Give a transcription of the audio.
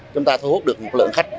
chúng ta thu hút được một lượng khách